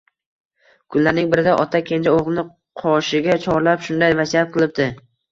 Kunlarning birida ota kenja o'g'ilni qoshiga chorlab, shunday vasiyat qilibdi